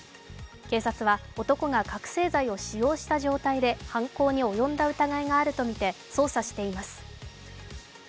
警察は、男が覚醒剤を使用した状態で犯行に及んだ疑いがあるとみて捜査しています。